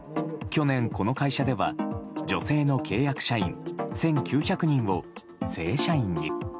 去年、この会社では女性の契約社員１９００人を正社員に。